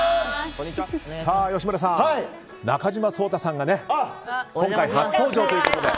吉村さん、中島颯太さんが今回初登場ということで。